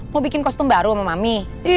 mau bikin kostum baru sama mami